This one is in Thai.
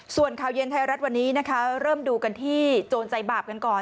ส่วนข่าวเย็นไทยรัฐวันนี้นะคะเริ่มดูกันที่โจรใจบาปกันก่อน